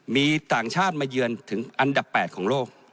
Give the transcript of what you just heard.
มีต่างชาติมาเยือนถึงอันดับ๘ของโลก